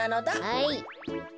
はい。